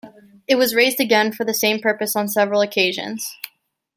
It was raised again for the same purpose on several occasions.